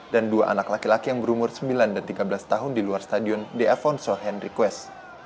dan dua anak laki laki yang berumur sembilan dan tiga belas tahun di luar stadion de afonso henry quest